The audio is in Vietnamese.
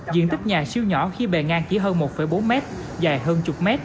diện tích nhà siêu nhỏ khi bề ngang chỉ hơn một bốn mét dài hơn chục mét